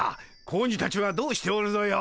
子鬼たちはどうしておるぞよ。